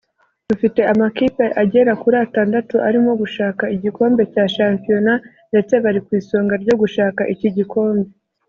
Dufite amakipe agera kuri atandatu arimo gushaka igikombe cya shampiyona ndetse bari kwisonga ryo gushaka iki gikombe